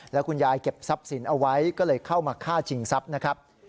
แล้วคุณยายเก็บทรัพย์สินเอาไว้ก็เลยเข้ามาฆ่าชิงทรัพย์นะครับ